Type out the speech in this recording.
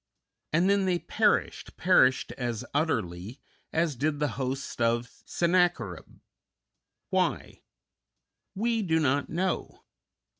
And then they perished, perished as utterly as did the hosts of Sennacherib. Why? We do not know.